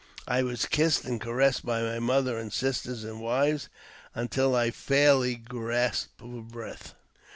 * I was kissed and caressed by my mother, sisters, and wives until I fairly gasped for breath.